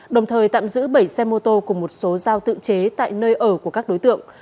đồng thời tạm giữ bảy xe mô tô cùng một số giao tự chế tại nơi ở của các đối tượng